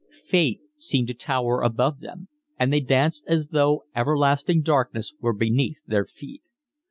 Fate seemed to tower above them, and they danced as though everlasting darkness were beneath their feet.